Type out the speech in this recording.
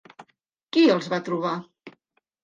Qui els va trobar?